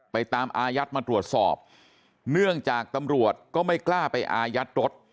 ตามอายัดมาตรวจสอบเนื่องจากตำรวจก็ไม่กล้าไปอายัดรถ